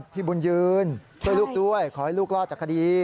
พี่บุญยืนช่วยลูกด้วยขอให้ลูกรอดจากคดี